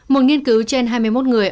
một nghiên cứu trên hai mươi một người